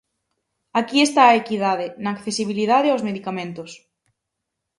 Aquí está a equidade, na accesibilidade aos medicamentos.